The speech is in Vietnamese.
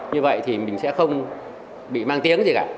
như vậy thì mình sẽ không bị mang tiếng gì cả